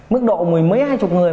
mức độ mười mấy hai chục người